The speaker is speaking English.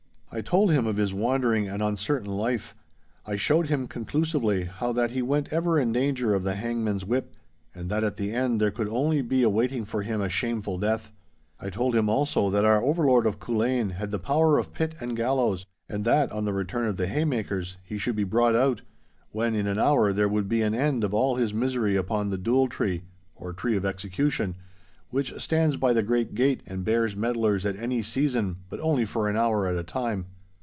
I told him of his wandering and uncertain life. I showed him conclusively how that he went ever in danger of the hangman's whip, and that at the end there could only be awaiting for him a shameful death. I told him also that our overlord of Culzean had the power of pit and gallows, and that, on the return of the haymakers, he should be brought out—when in an hour there would be an end of all his misery upon the dule tree, or tree of execution, which stands by the great gate and bears medlars at any season, but only for an hour at a time.